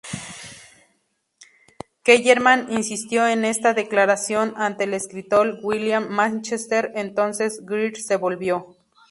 Kellerman insistió en esta declaración ante el escritor William Manchester: ""Entonces Greer se volvió.